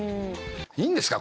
いいんですか？